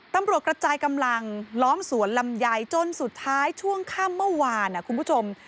ตำรวจกระจายกำลังล้อมสวนลำไยจนสุดท้ายช่วงค่ำเมื่อวานคุณผู้ชม